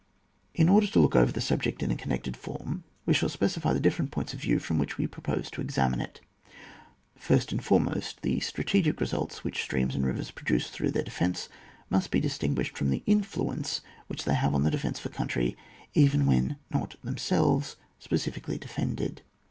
In order to look over the subject in a connected form, we shall specify the dif ferent points of view from which we propose to examine it First and foremost, the strategic results which streams and rivers produce through their defence, must be distinguished from the influence which they have on the defence of a country, even when not themselves specially defended.